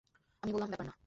আমি বললাম, ব্যাপার না।